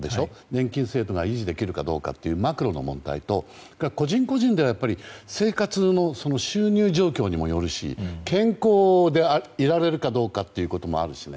年金制度が維持できるかどうかというマクロの問題と個人個人では生活の収入状況にもよるし健康でいられるかどうかもあるし